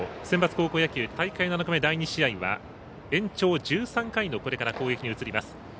センバツ高校野球大会７日目、第２試合は延長１３回のこれから攻撃に移ります。